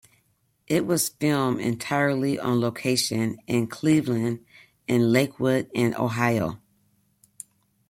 It was filmed entirely on location in Cleveland and Lakewood in Ohio.